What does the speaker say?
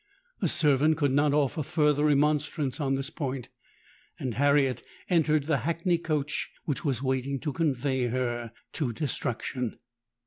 The servant could not offer further remonstrance on this point; and Harriet entered the hackney coach which was waiting to convey her to destruction!